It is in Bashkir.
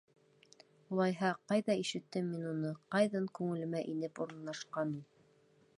Улайһа, ҡайҙа ишеттем мин уны, ҡайҙан күңелемә инеп урынлашҡан ул?